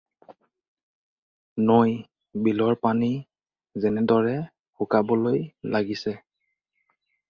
নৈ, বিলৰ পানী যেনেদৰে শুকাবলৈ লাগিছে।